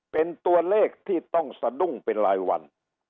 เป็นตัวเลขที่ต้องสะดุ้งเป็นรายวัน